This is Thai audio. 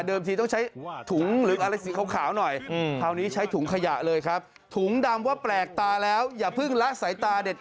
เดิมทีต้องใช้ถุงหรืออะไรสีขาวหน่อย